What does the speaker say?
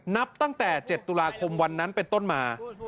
นับตั้งแต่๗ตุลาคมวันนั้นเป็นต้นมา